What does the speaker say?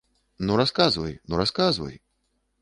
Ну, расказвай, ну, расказвай.